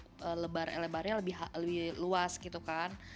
supaya lebar lebarnya lebih luas gitu kan